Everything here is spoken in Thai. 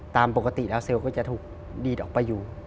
ตามปกติแล้วเซลล์ก็จะถูกดีดออกไปอยู่